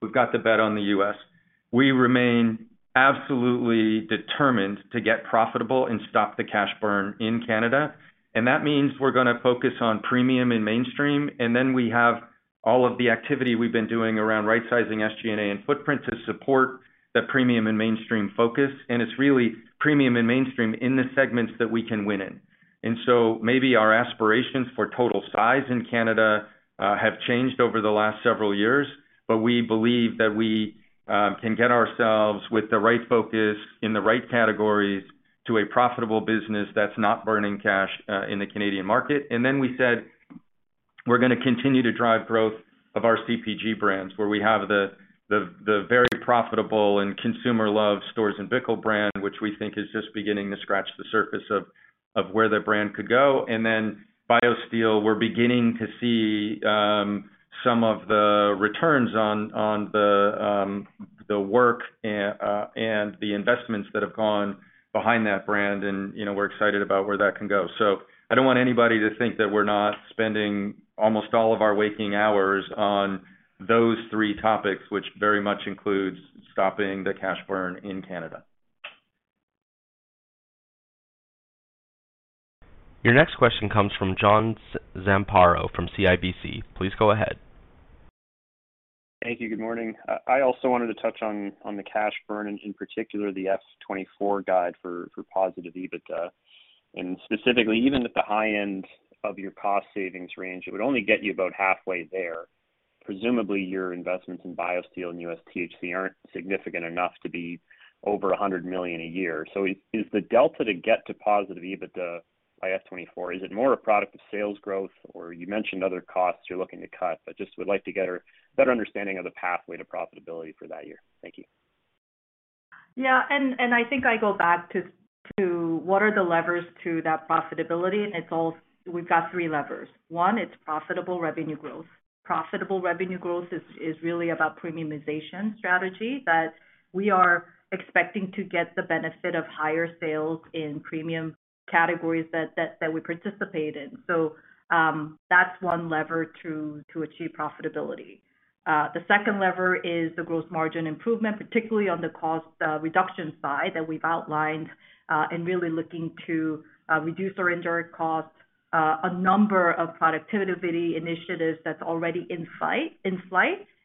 We've got the bet on the U.S. We remain absolutely determined to get profitable and stop the cash burn in Canada, and that means we're gonna focus on premium and mainstream. We have all of the activity we've been doing around rightsizing SG&A and footprint to support the premium and mainstream focus. It's really premium and mainstream in the segments that we can win in. Maybe our aspirations for total size in Canada have changed over the last several years, but we believe that we can get ourselves with the right focus in the right categories to a profitable business that's not burning cash in the Canadian market. We said we're gonna continue to drive growth of our CPG brands, where we have the very profitable and consumer-loved Storz & Bickel brand, which we think is just beginning to scratch the surface of where the brand could go. BioSteel, we're beginning to see some of the returns on the work and the investments that have gone behind that brand and, you know, we're excited about where that can go. I don't want anybody to think that we're not spending almost all of our waking hours on those three topics, which very much includes stopping the cash burn in Canada. Your next question comes from John Zamparo from CIBC. Please go ahead. Thank you. Good morning. I also wanted to touch on the cash burn and in particular the FY 2024 guide for positive EBITDA. Specifically, even at the high end of your cost savings range, it would only get you about halfway there. Presumably, your investments in BioSteel and U.S. THC aren't significant enough to be over 100 million a year. Is the delta to get to positive EBITDA by FY 2024 more a product of sales growth? Or you mentioned other costs you're looking to cut, but just would like to get a better understanding of the pathway to profitability for that year. Thank you. I think I go back to what are the levers to that profitability. We've got three levers. One, it's profitable revenue growth. Profitable revenue growth is really about premiumization strategy that we are expecting to get the benefit of higher sales in premium categories that we participate in. That's one lever to achieve profitability. The second lever is the gross margin improvement, particularly on the cost reduction side that we've outlined, and really looking to reduce our indirect costs, a number of productivity initiatives that's already in flight,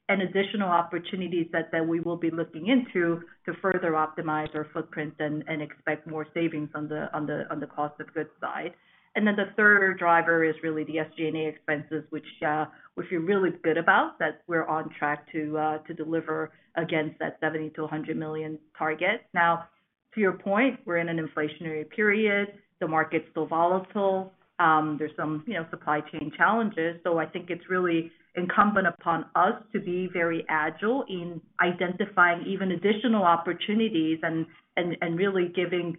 and additional opportunities that we will be looking into to further optimize our footprint and expect more savings on the cost of goods side. Then the third driver is really the SG&A expenses, which we're really good about, that we're on track to deliver against that 70 million-100 million target. Now, to your point, we're in an inflationary period. The market's still volatile. There's some, you know, supply chain challenges. I think it's really incumbent upon us to be very agile in identifying even additional opportunities and really giving,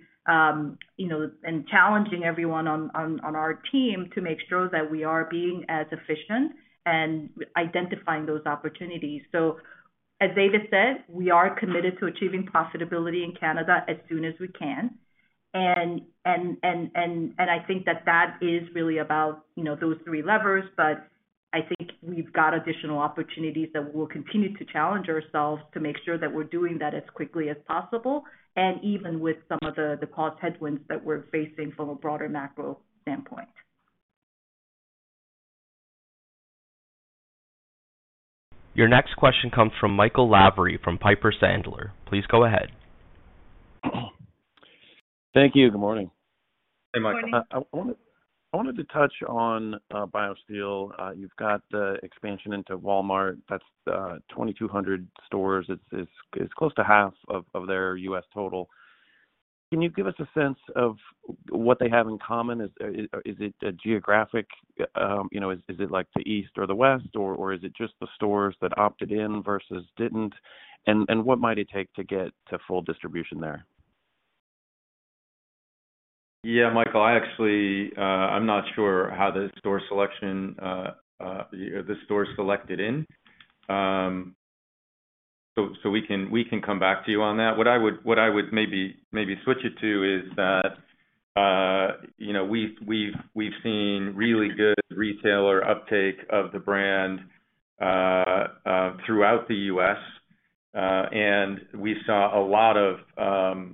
you know, and challenging everyone on our team to make sure that we are being as efficient and identifying those opportunities. As David said, we are committed to achieving profitability in Canada as soon as we can. I think that is really about, you know, those three levers, but I think we've got additional opportunities that we'll continue to challenge ourselves to make sure that we're doing that as quickly as possible and even with some of the past headwinds that we're facing from a broader macro standpoint. Your next question comes from Michael Lavery from Piper Sandler. Please go ahead. Thank you. Good morning. Hey, Michael. Morning. I wanted to touch on BioSteel. You've got the expansion into Walmart. That's 2,200 stores. It's close to half of their U.S. total. Can you give us a sense of what they have in common? Is it geographic? You know, is it like the East or the West, or is it just the stores that opted in versus didn't? What might it take to get to full distribution there? Yeah, Michael, I actually, I'm not sure how the stores are selected. So we can come back to you on that. What I would maybe switch it to is that, you know, we've seen really good retailer uptake of the brand throughout the U.S., and we saw a lot of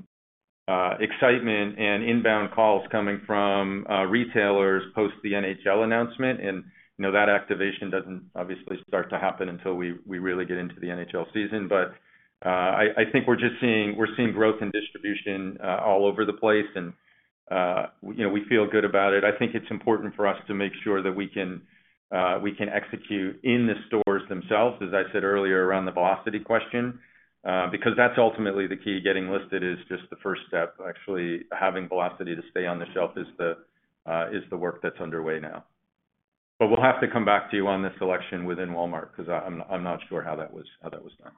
excitement and inbound calls coming from retailers post the NHL announcement. You know, that activation doesn't obviously start to happen until we really get into the NHL season. But I think we're just seeing growth and distribution all over the place and, you know, we feel good about it. I think it's important for us to make sure that we can execute in the stores themselves, as I said earlier, around the velocity question, because that's ultimately the key. Getting listed is just the first step. Actually having velocity to stay on the shelf is the work that's underway now. We'll have to come back to you on the selection within Walmart because I'm not sure how that was done.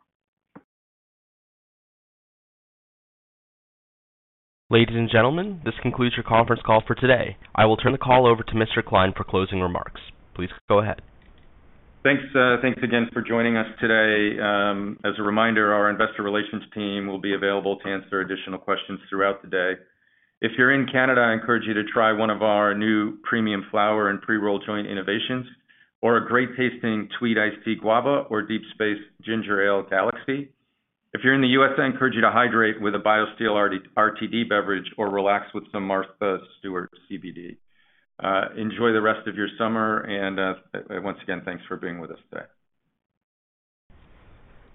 Ladies and gentlemen, this concludes your conference call for today. I will turn the call over to Mr. Klein for closing remarks. Please go ahead. Thanks, thanks again for joining us today. As a reminder, our investor relations team will be available to answer additional questions throughout the day. If you're in Canada, I encourage you to try one of our new premium flower and pre-rolled joint innovations or a great tasting Tweed Iced Tea Guava or Deep Space Ginger Ale Galaxy. If you're in the U.S., I encourage you to hydrate with a BioSteel RTD beverage or relax with some Martha Stewart CBD. Enjoy the rest of your summer and, once again, thanks for being with us today.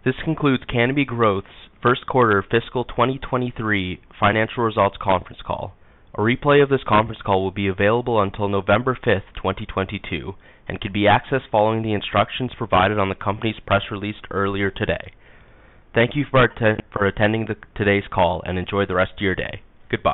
This concludes Canopy Growth's first quarter fiscal 2023 financial results conference call. A replay of this conference call will be available until November 5, 2022, and can be accessed following the instructions provided on the company's press release earlier today. Thank you for attending today's call, and enjoy the rest of your day. Goodbye.